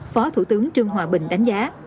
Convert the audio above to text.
phó thủ tướng trương hòa bình đánh giá